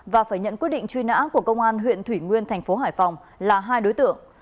và phải nhận quyết định truy nã của công an huyện thủy nguyên thành phố hải phòng là hai đối tượng